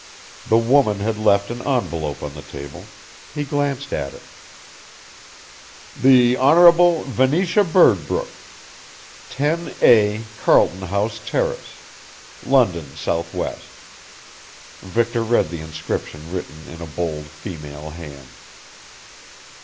The woman had left an envelope on the table, he glanced at it. THE HONBLE: VENETIA BIRDBROOK, 10A Carlton House Terrace, London, S. W. Victor read the inscription written in a bold female hand.